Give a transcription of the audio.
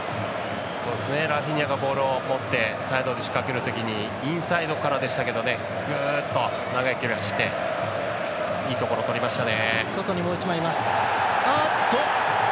ラフィーニャがボールを持ってサイドで仕掛けるときにインサイドからぐっと長い距離を走っていいところをとりましたね。